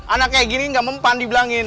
anak kayak gini gak mempan dibilangin